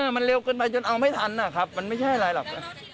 มันเร็วเกินไปจนเอาไม่ทันนะครับมันไม่ใช่อะไรหรอก